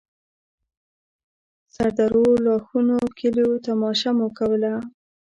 سردرو، لاښونو، کليو تماشه مو کوله.